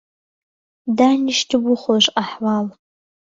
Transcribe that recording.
دانیشتبوو خۆش ئهحواڵ